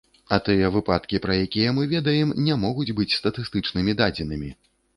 А тыя выпадкі, пра якія мы ведаем, не могуць быць статыстычнымі дадзенымі.